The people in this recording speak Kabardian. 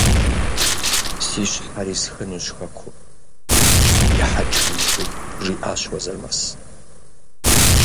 Си щхьэр исхынущ хэкум! – ехьэкӀ хэмылъу жиӀащ Уэзырмэс.